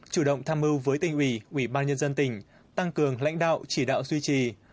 chủ động tham mưu với tỉnh ủy ủy ban nhân dân tỉnh tăng cường lãnh đạo chỉ đạo duy trì